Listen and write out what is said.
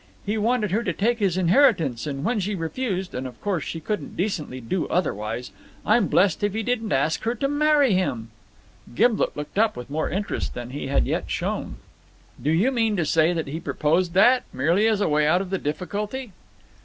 He wanted her to take his inheritance, and when she refused and of course she couldn't decently do otherwise I'm blessed if he didn't ask her to marry him." Gimblet looked up with more interest than he had yet shown. "Do you mean to say he proposed that, merely as a way out of the difficulty?"